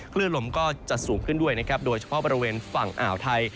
เวลาลมก็จะสูงขึ้นด้วยโดยเฉพาะฝั่งอ่าวไทย